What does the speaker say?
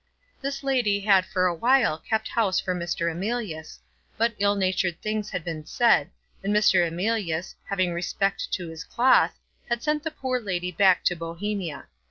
This lady had for awhile kept house for Mr. Emilius; but ill natured things had been said, and Mr. Emilius, having respect to his cloth, had sent the poor lady back to Bohemia.